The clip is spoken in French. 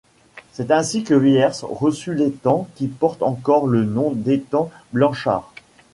C'est ainsi que Villers reçut l'étang qui porte encore le nom d'étang Blanchard.